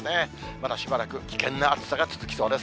まだしばらく危険な暑さが続きそうです。